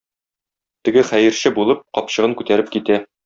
Теге хәерче булып, капчыгын күтәреп китә.